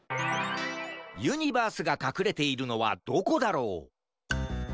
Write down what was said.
ユニバースがかくれているのはどこだろう？